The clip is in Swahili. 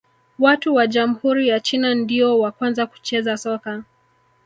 Watu wa jamhuri ya China ndio wa kwanza kucheza soka